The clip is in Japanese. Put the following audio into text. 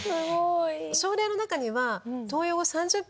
症例の中には。